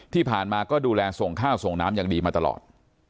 ที่ผ่านมาก็ดูแลส่งข้าวส่งน้ำอย่างดีมาตลอด